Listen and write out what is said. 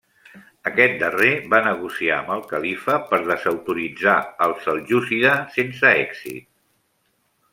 Aquest darrer va negociar amb el califa per desautoritzar al seljúcida sense èxit.